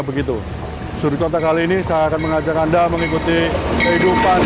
begitu sudut kota kali ini saya akan mengajak anda mengikuti kehidupan